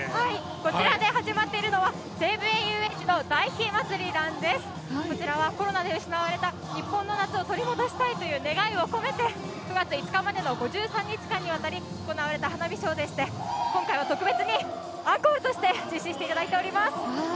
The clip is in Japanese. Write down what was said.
こちらはコロナで失われた、日本の夏を取り戻したいという願いを込めて９月５日までの５３日間にわたり行われた花火ショーでして、今回は特別にアンコールとして実施していただいております。